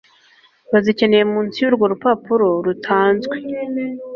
bazikeneye Munsi y urwo rupapuro rutanzwe